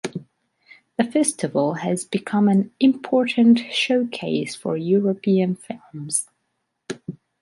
The festival has become an important showcase for European films.